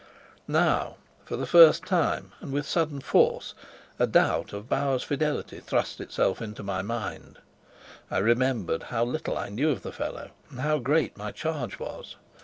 Now, for the first time and with sudden force, a doubt of Bauer's fidelity thrust itself into my mind. I remembered how little I knew of the fellow and how great my charge was.